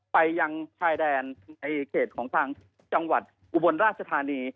ไปยังชายแดนในเขตของทางจังหวัดอุบลราชธานี